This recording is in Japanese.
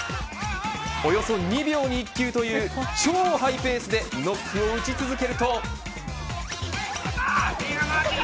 およそ２秒に１球という超ハイペースでノックを打ち続けると。